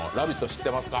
知ってますか？